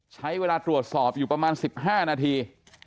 ใช้เวลาตรวจสอบอยู่ประมาณ๑๕นาที